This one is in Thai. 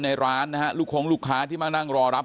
ในร้านนะฮะลูกคงลูกค้าที่มานั่งรอรับ